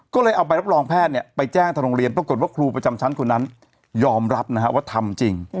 ก็เลยเอาใบรับรองแพทย์ไปแจ้งทางโรงเรียนปรากฏว่าครูประจำชั้นคนนั้นยอมรับนะฮะว่าทำจริง